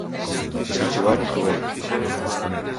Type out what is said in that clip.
Sichuan i Hubei.